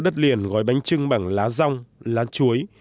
đất liền gói bánh trưng bằng lá rong lá chuối